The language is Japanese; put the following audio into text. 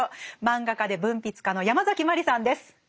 漫画家で文筆家のヤマザキマリさんです。